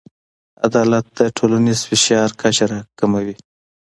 عدالت د ټولنیز فشار کچه راکموي.